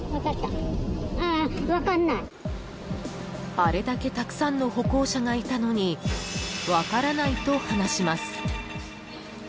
［あれだけたくさんの歩行者がいたのに「分からない」と話します］